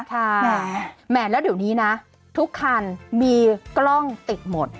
แหมแล้วเดี๋ยวนี้นะทุกคันมีกล้องติดหมด